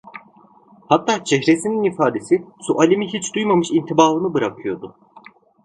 Hatta çehresinin ifadesi sualimi hiç duymamış intibaını bırakıyordu.